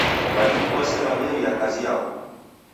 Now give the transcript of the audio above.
W'alimu w'ose w'ameria kazi yaw'o